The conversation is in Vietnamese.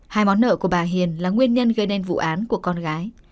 hai món nợ của bà hiền là nguyên nhân gây nên vụ án của con gái